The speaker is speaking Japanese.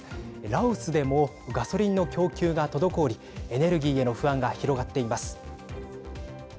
ラオスでもガソリンの供給が滞りエネルギーへの不安が広がっています。